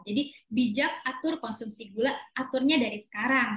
jadi bijak atur konsumsi gula aturnya dari sekarang